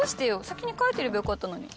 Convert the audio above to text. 先に帰ってればよかったのに。